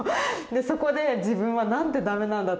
そこで自分はなんて駄目なんだと。